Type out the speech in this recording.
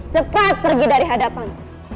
cepat pergi dari hadapan